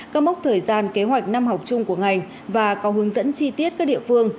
các mốc thời gian kế hoạch năm học chung của ngành và có hướng dẫn chi tiết các địa phương